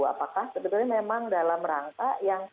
apakah sebetulnya memang dalam rangka yang